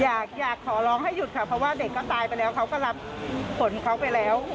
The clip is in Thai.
อยากขอร้องให้หยุดค่ะเพราะว่าเด็กก็ตายไปแล้วเขาก็รับผลเขาไปแล้ว